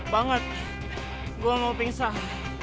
banget gue mau pingsah